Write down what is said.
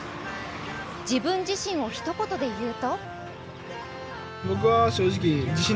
自分自身をひと言で言うと？